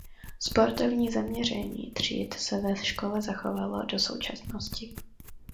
Sportovní zaměření tříd se ve škole zachovalo do současnosti.